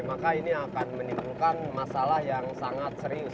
maka ini akan menimbulkan masalah yang sangat serius